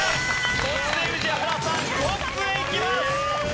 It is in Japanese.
そして宇治原さんトップへ行きます。